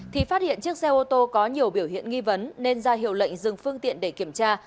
thì phát hiện chiếc xe ô tô có nhiều biểu hiện nghi vấn nên ra hiệu lệnh dừng phương tiện để kiểm tra